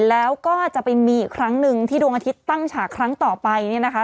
แล้วก็จะไปมีอีกครั้งหนึ่งที่ดวงอาทิตย์ตั้งฉากครั้งต่อไปเนี่ยนะคะ